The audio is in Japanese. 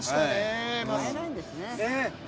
変えないんですね。